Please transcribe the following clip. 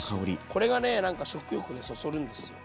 これがね何か食欲をそそるんですよ。